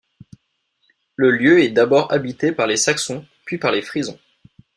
Le lieu est d'abord habité par les Saxons puis par les Frisons.